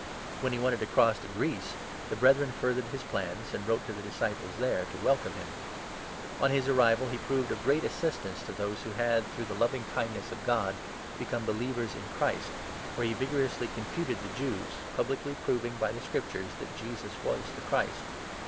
When he wanted to 27 cross to Greece, the Brethren furthered his plans, and wrote to the disciples there to welcome him. On his arrival he proved of great assistance to those who had, through the loving kindness of God, become believers in Christ, for he 28 vigorously confuted the Jews, publicly proving by the Scriptures that Jesus was the Christ.